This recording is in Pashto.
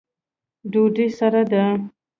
ډوډۍ سره ده